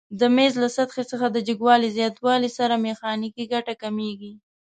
د میز له سطحې څخه د جګوالي زیاتوالي سره میخانیکي ګټه کمیږي؟